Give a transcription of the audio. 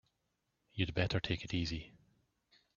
You'd better take it easy.